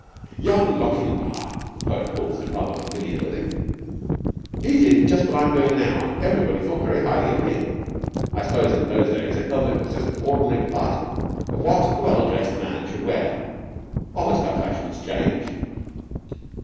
'Young Lochinvar' the poet calls him rather familiarly. He did just what I'm doing now, and everybody thought very highly of him. I suppose in those days a helmet was just an ordinary part of what the well dressed man should wear. Odd how fashions change!"